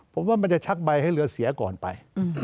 ผมว่ามันจะชักใบให้เรือเสียก่อนไป